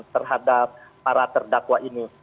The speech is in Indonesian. terhadap para terdakwa ini